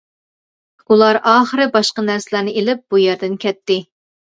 ئۇلار ئاخىرى باشقا نەرسىلەرنى ئېلىپ بۇ يەردىن كەتتى.